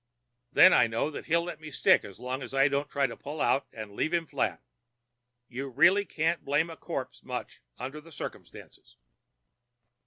Then I know that he'll let me stick as long as I don't try to pull out and leave him flat. You really can't blame a corpse much under the circumstances.